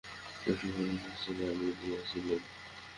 Metropolis থেকে, আমি Lois lane.